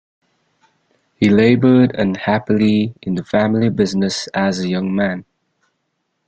He labored unhappily in the family business as a young man.